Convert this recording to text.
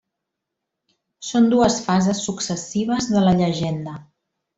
Són dues fases successives de la llegenda.